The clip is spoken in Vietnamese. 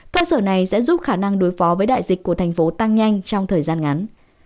cơ sở này sẽ giúp khả năng đối phó với đại dịch của thành phố tăng nhanh trong thời gian ngắn